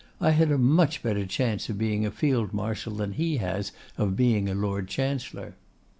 I had a much better chance of being a field marshal than he has of being a Lord Chancellor.